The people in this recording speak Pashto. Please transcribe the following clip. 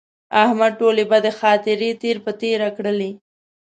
احمد ټولې بدې خاطرې تېر په تېره کړلې.